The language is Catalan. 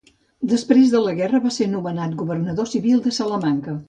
Després de la guerra va ser nomenat Governador civil de Salamanca.